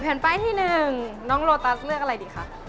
ป้ายที่๑น้องโลตัสเลือกอะไรดีคะ